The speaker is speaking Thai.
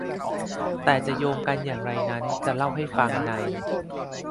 แต่จะโยงกันอย่างไรนั้นจะเล่าให้ฟังใน